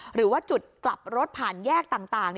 หรือว่าจุดกลับรถผ่านแยกต่าง